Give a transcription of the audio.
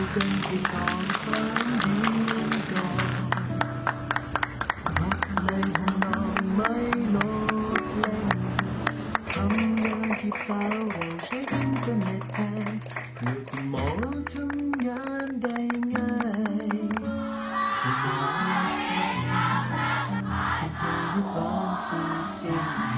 ทั้งแพทยบาลและเจ้าหน้าที่